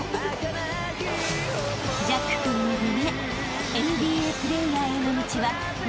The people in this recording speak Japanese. ［ジャック君の夢］